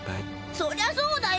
そりゃそうだよ！